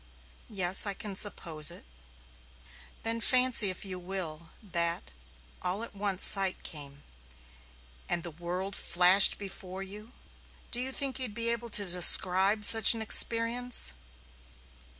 "Yes, I can suppose it." "Then fancy if you will that all at once sight came, and the world flashed before you. Do you think you'd be able to describe such an experience?"